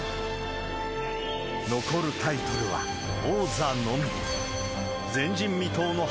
残るタイトルは王座のみ。